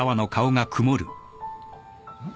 うん？